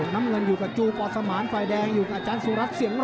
น้ำเงินอยู่กับจูปอสมานฝ่ายแดงอยู่กับอาจารย์สุรัสตเสียง